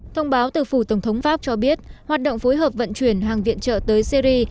thông báo từ phủ tổng thống pháp cho biết hoạt động phối hợp vận chuyển hàng viện trợ tới syri